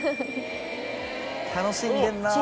楽しんでんなぁ。